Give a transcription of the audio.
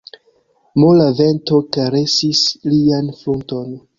Mola vento karesis lian frunton.